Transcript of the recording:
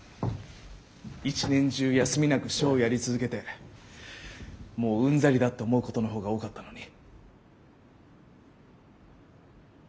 一年中休みなくショウをやり続けてもううんざりだって思うことの方が多かったのに。